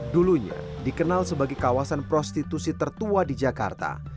dulunya dikenal sebagai kawasan prostitusi tertua di jakarta